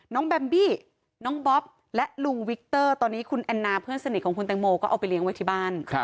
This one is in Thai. แบมบี้น้องบ๊อบและลุงวิกเตอร์ตอนนี้คุณแอนนาเพื่อนสนิทของคุณแตงโมก็เอาไปเลี้ยงไว้ที่บ้าน